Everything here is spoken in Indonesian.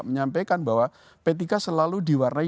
menyampaikan bahwa p tiga selalu diwarnai